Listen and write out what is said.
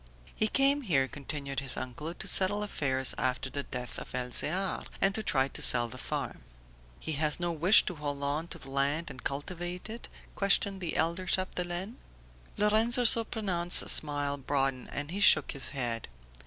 "He came here," continued his uncle, "to settle affairs after the death of Elzear, and to try to sell the farm." "He has no wish to hold on to the land and cultivate it?" questioned the elder Chapdelaine. Lorenzo Surprenant's smile broadened and he shook his head.